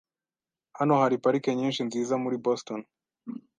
Hano hari parike nyinshi nziza muri Boston .